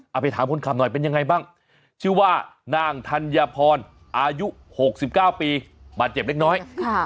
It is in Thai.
เอาไปถามคนขับหน่อยเป็นยังไงบ้างชื่อว่านางธัญพรอายุ๖๙ปีบาดเจ็บเล็กน้อย